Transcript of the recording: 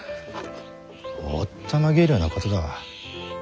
おったまげるようなことだわ。